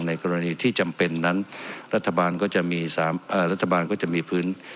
กรณีที่จำเป็นนั้นรัฐบาลก็จะมี๓รัฐบาลก็จะมีพื้น